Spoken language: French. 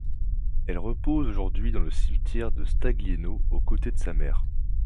Elle repose aujourd’hui dans le cimetière de Staglieno aux côtés de sa mère.